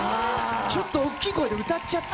ちょっと大きい声で歌っちゃった。